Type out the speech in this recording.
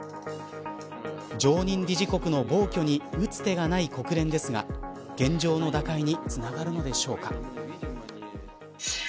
常任理事国の暴挙に打つ手がない国連ですが現状の打開につながるのでしょうか。